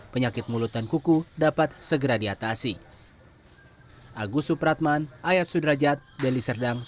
penyakit mulut dan kuku dapat segera diatasi